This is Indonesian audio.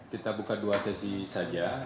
kita buka dua sesi saja